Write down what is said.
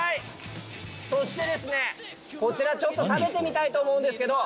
そしてですねこちらちょっと食べてみたいと思うんですけど。